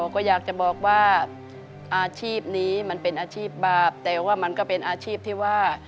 ก็อยากจะบอกว่าอาชีพนี้มันเป็นอาชีพบาปแต่ว่ามันก็เป็นอาชีพที่ว่า